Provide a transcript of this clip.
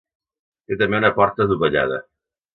Té també una porta adovellada.